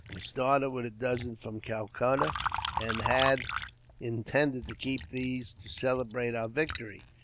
I started with a dozen from Calcutta, and had intended to keep these to celebrate our victory.